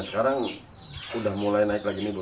sekarang udah mulai naik lagi nih bu